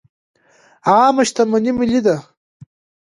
عامه شتمني ملي ده